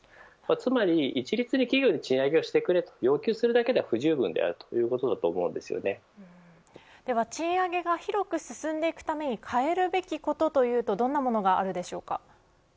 つまり、一律に企業に賃上げをしてくれと要求するだけでは不十分であるでは賃上げが広く進むために変えるべきことというとどんなものがあるでしょうか。